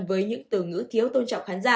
với những từ ngữ thiếu tôn trọng khán giả